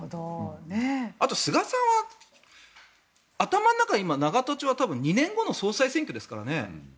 あと、菅さんは頭の中永田町は今２年後の総裁選挙ですからね。